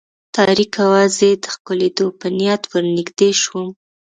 تاریکه وه، زه یې د ښکلېدو په نیت ور نږدې شوم.